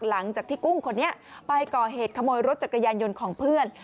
หลังจากที่กุ้งคนนี้ไปก่อเหตุขโมยรถจักรยานยนต์ของเพื่อน